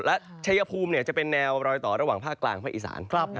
และชัยภูมิจะเป็นแนวรอยต่อระหว่างภาคกลางภาคอีสาน